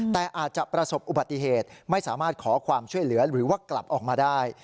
แต่อาจจะประสบอุบัติเหตุไม่สามารถขอความช่วยเหลือหรือว่ากลับออกมาได้